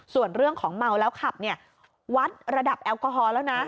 ส่วนเรื่องของเมาแล้วขับเนี่ยวัดระดับแอลกอฮอล์แล้วนะ